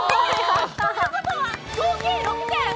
ということは合計６点。